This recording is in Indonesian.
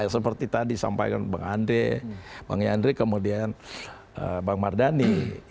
seperti tadi sampaikan bang andre bang yandri kemudian bang mardhani